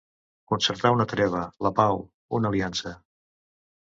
Concertar una treva, la pau, una aliança.